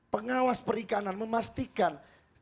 pengawas perikanan memastikan